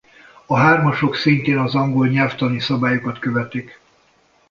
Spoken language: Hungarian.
A hármasok szintén az angol nyelvtani szabályokat követik.